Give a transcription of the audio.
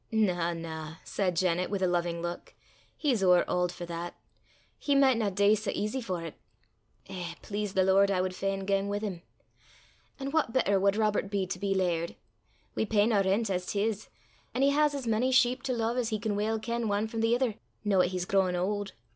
"Na, na," said Janet, with a loving look. "He's ower auld for that. He micht na dee sae easy for 't. Eh! please the Lord, I wad fain gang wi' him. An' what better wad Robert be to be laird? We pey nae rent as 'tis, an' he has as mony sheep to lo'e as he can weel ken ane frae the ither, noo 'at he's growin' auld.